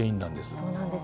そうなんですよ。